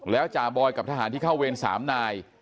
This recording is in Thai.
แล้วจ่าบอยกับทหารที่เข้าเวร๓นาย